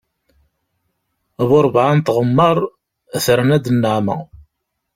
Bu rebɛa n tɣemmar, terna-d nneɛma.